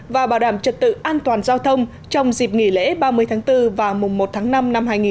và bảo đảm trật tự an toàn giao thông trong dịp nghỉ lễ ba mươi tháng bốn và mùng một tháng năm năm hai nghìn hai mươi bốn